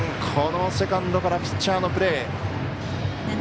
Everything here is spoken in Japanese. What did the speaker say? このセカンドからピッチャーのプレー。